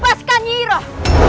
tepaskan nyi iroh